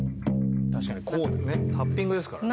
確かにタッピングですからね。